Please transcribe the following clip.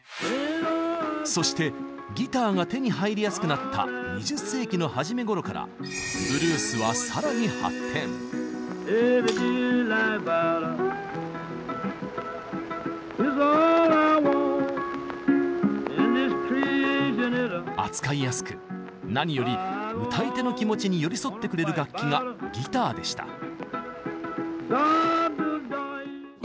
そしてギターが手に入りやすくなった２０世紀の初めごろからブルースは扱いやすく何より歌い手の気持ちに寄り添ってくれる楽器がギターでした。